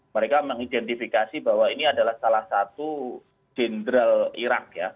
mereka mengidentifikasi bahwa ini adalah salah satu jenderal irak ya